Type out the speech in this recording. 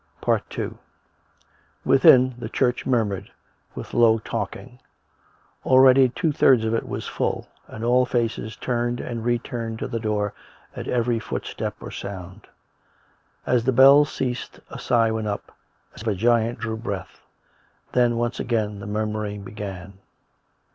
II Within, the church murmured with low talking. Already two thirds of it was full, and all faces turned and re turned to the door at every footstep or sound. As the bells ceased a sigh went up, as if a giant drew breath ; then, once again, the murmuring began.